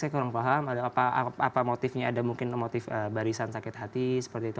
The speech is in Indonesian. saya kurang paham ada apa motifnya ada mungkin motif barisan sakit hati seperti itu